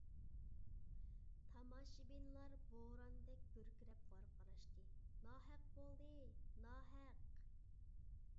تاماشىبىنلار بوراندەك گۈركىرەپ ۋارقىراشتى:-ناھەق بولدى، ناھەق!